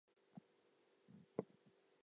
But our visitor was very obstinate.